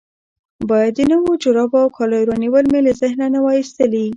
باید د نویو جرابو او کالو رانیول مې له ذهنه نه وای ایستلي.